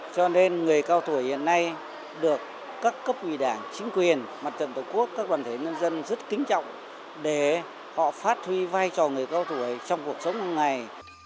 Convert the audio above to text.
cho nên người cao tuổi hiện nay được các cấp ủy đảng chính quyền mặt trận tổ quốc các đoàn thể nhân dân rất kính trọng để họ phát huy vai trò người cao tuổi trong cuộc sống hàng ngày